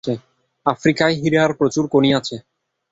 আফ্রিকায় হীরার প্রচুর খনি আছে।